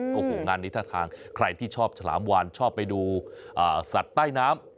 โอ้โหงานนี้ท่าทางใครที่ชอบฉลามวานชอบไปดูสัตว์ใต้น้ำ